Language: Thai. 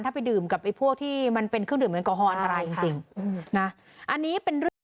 ถ้าไปดื่มกับไอ้พวกที่มันเป็นเครื่องดื่มแอลกอฮอลอันตรายจริงจริงนะอันนี้เป็นเรื่อง